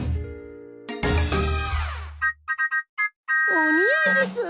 おにあいです！